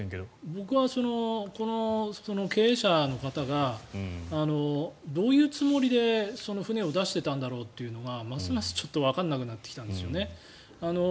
僕はこの経営者の方がどういうつもりで船を出していたんだろうというのがますますわからなくなってきたんですね。